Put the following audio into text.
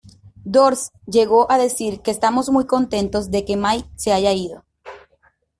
Durst llegó a decir que ""estamos muy contentos de que Mike se haya ido.